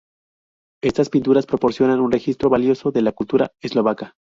Estas pinturas proporcionan un registro valioso de la cultura eslovaca.